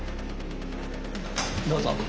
どうぞ。